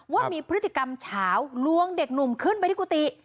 ว่ามีพฤติกรรมเฉาลวงเด็กหนุ่มขึ้นไปที่กุฏิ